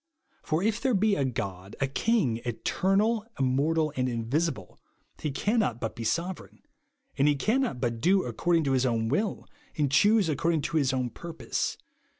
For if there be a God, a " King, eternal, immortal, and in visible," he cannot but be sovereign, — and he cannot but do according to his own will, and choose according to his own pur pose.